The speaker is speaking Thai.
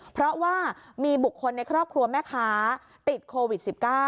เพราะว่ามีบุคคลในครอบครัวแม่ค้าติดโควิด๑๙